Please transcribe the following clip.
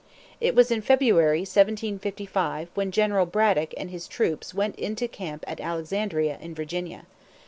It was in February, 1755, when General Braddock and his troops went into camp at Alexandria in Virginia.